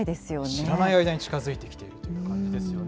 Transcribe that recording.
知らない間に近づいてきているという感じですよね。